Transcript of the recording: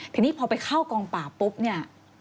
ทีนี้พอไปเข้ากองปราบปุ๊บเนี่ย